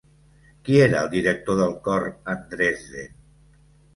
Qui era el director del cor en Dresden?